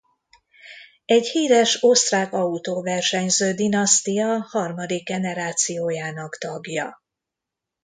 Egy híres osztrák autóversenyző-dinasztia harmadik generációjának tagja.